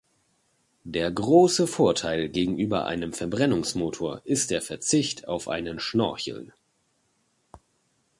Der große Vorteil gegenüber einem Verbrennungsmotor ist der Verzicht auf einen Schnorchel.